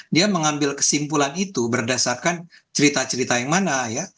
dia mengambil kesimpulan itu berdasarkan cerita cerita yang mana ya